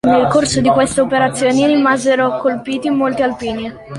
Nel corso di queste operazioni rimasero colpiti molti alpini.